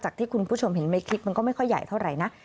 ที่คุณผู้ชมเห็นในคลิปมันก็ไม่ค่อยใหญ่เท่าไหร่นะ